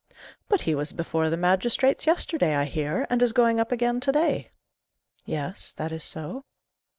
"But he was before the magistrates yesterday, I hear, and is going up again to day." "Yes, that is so."